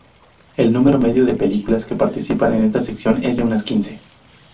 El número medio de películas que participan en esta sección es de unas quince.